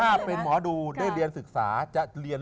ถ้าเป็นหมอดูได้เรียนศึกษา